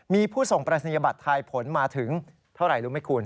มีผู้ส่งปรายศนียบัตรทายผลมาถึงเท่าไหร่รู้ไหมคุณ